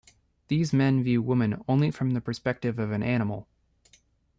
These men view women only from the perspective of an animal.